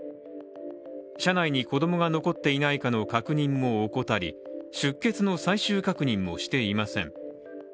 車内に子供が残っていないかの確認も怠り出欠の最終確認もしていません。